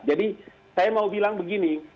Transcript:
jadi saya mau bilang begini